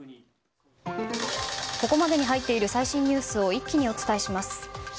ここまでに入っている最新ニュースを一気にお伝えします。